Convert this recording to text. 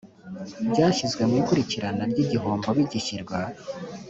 byashyizwe mu ikurikirana ry igihombo bigishyirwa